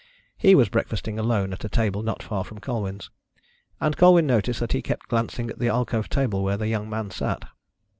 He was breakfasting alone at a table not far from Colwyn's, and Colwyn noticed that he kept glancing at the alcove table where the young man sat.